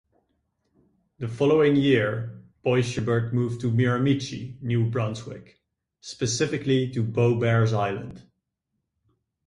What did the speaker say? The following year, Boishebert moved to Miramichi, New Brunswick, specifically to Beaubears Island.